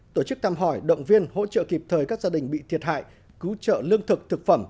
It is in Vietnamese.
tổ chức thăm hỏi động viên hỗ trợ kịp thời các gia đình bị thiệt hại cứu trợ lương thực thực phẩm